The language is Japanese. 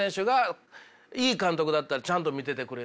いい監督だったらちゃんと見ててくれる。